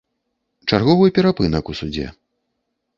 Чарговы перапынак у судзе.